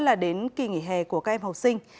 là đến kỳ nghỉ hè của các em học sinh